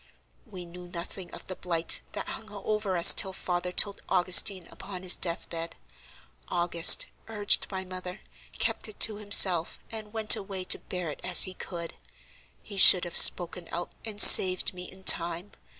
We knew nothing of the blight that hung over us till father told Augustine upon his death bed. August, urged by mother, kept it to himself, and went away to bear it as he could. He should have spoken out and saved me in time.